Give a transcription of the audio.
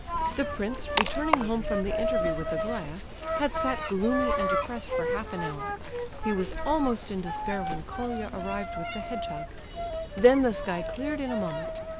The prince, returning home from the interview with Aglaya, had sat gloomy and depressed for half an hour. He was almost in despair when Colia arrived with the hedgehog. Then the sky cleared in a moment.